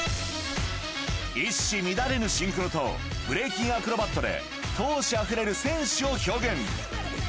一糸乱れぬシンクロと、ブレイキンアクロバットで、闘志あふれる戦士を表現。